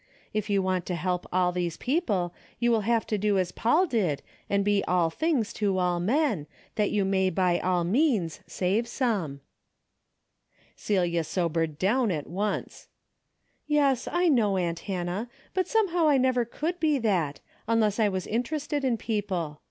If you want to help all these people, you will have to do as Paul did and be all things to all men, that you may by all means save some." 176 DAILY BATE, Celia sobered down at once. " Yes, I know, aunt Hannah, but somehow I never could be that, unless I was interested in people.